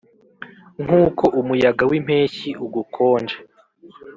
nkuko umuyaga wimpeshyi ugukonje,